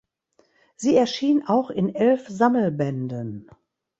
Sie erschien auch in elf Sammelbänden.